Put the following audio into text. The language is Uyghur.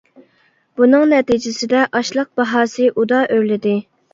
بۇنىڭ نەتىجىسىدە ئاشلىق باھاسى ئۇدا ئۆرلىدى.